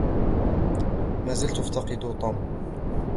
ما أزال أفتقد توم.